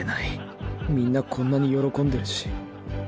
みんなこんなに喜んでるし。